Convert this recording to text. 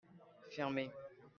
Fermez !